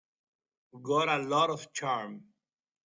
Got a lot of charm.